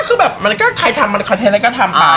เออก็คือแบบมันก็ใครทำมันคอยเน้นแล้วก็ทำไป